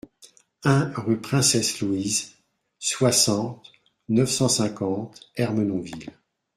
un rue Princesse Louise, soixante, neuf cent cinquante, Ermenonville